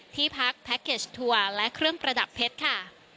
ที่พักแพ็คเกจทัวร์และเครื่องประดับเพชรค่ะ